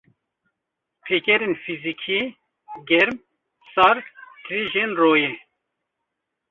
Pêkerên fizikî: Germ, sar, tirêjin royê